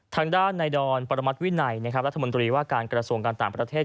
ทางด้านในดอนปรมัติวินัยรัฐมนตรีว่าการกระทรวงการต่างประเทศ